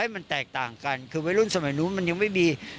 มันแตกต่างกันคือวัยรุ่นสมัยนู้นมันยังไม่มี